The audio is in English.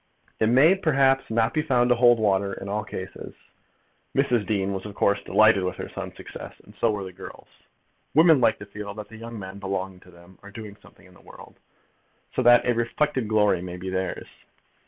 It may perhaps not be found to hold water in all cases. Mrs. Dean was of course delighted with her son's success, and so were the girls. Women like to feel that the young men belonging to them are doing something in the world, so that a reflected glory may be theirs.